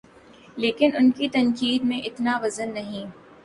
لیکن ان کی تنقید میں اتنا وزن نہیں۔